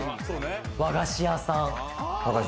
和菓子屋さん。